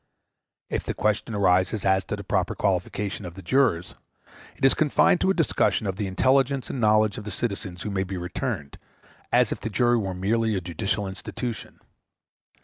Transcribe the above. If the question arises as to the proper qualification of jurors, it is confined to a discussion of the intelligence and knowledge of the citizens who may be returned, as if the jury was merely a judicial institution.